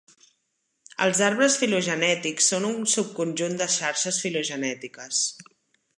Els arbres filogenètics són un subconjunt de xarxes filogenètiques.